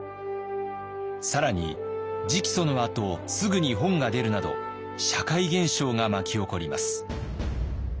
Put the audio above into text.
更に直訴のあとすぐに本が出るなど社会現象が巻き起こります。